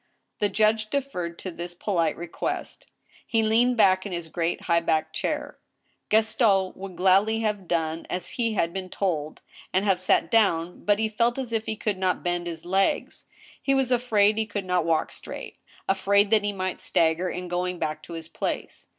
The judge deferred to this polite request. He leaned back in his great high backed chair. Gaston would gladly have done as he had been told, and have sat down, but he felt as if he could not bend his legs ; he was afraid he could not walk straight, afraid that he might stagger in going back to his place.